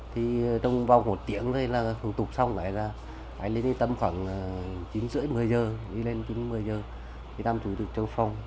thì trong vòng một tiếng thôi là phương tục xong hãy ra hãy lên đi tầm khoảng chín h ba mươi một mươi h đi lên chín h một mươi h đi làm chủ tịch trong phòng